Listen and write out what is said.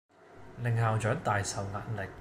令校長大受壓力